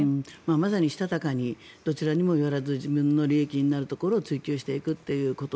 まさにしたたかにどちらかにも寄らず自分の利益になるところを追求していくということ。